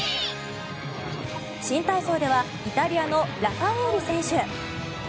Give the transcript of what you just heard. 新体操ではイタリアのラファエーリ選手。